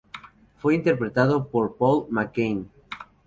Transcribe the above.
Fue interpretado por Paul McGann.